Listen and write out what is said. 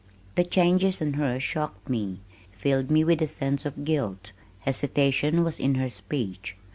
The changes in her shocked me, filled me with a sense of guilt. Hesitation was in her speech.